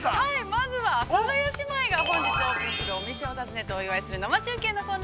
まずは阿佐ヶ谷姉妹が、本日オープンするお店を訪ねて、お祝いする。